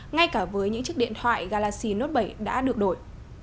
ngay cả với những chiếc điện thoại galaxy note bảy đã được đổi